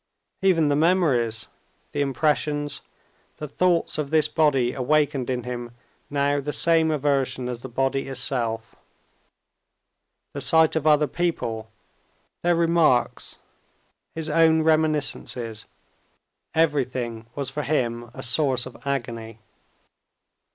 Even the memories, the impressions, the thoughts of this body awakened in him now the same aversion as the body itself. The sight of other people, their remarks, his own reminiscences, everything was for him a source of agony.